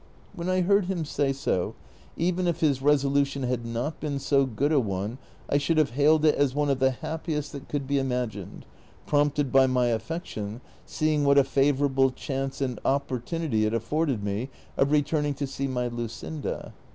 When I heard liim say so, even if his resolution had not been so good a one I should have hailed it as one of the happiest that could be imagined, prompted by my affection, seeing what a favorable chance and op jjortunity it offered me of returning to see my Luscinda.